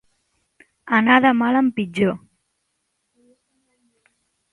Anar de mal en pitjor.